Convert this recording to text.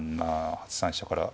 ８三飛車から。